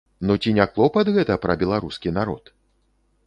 Ну ці не клопат гэта пра беларускі народ?